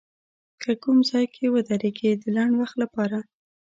که کوم ځای کې ودرېږي د لنډ وخت لپاره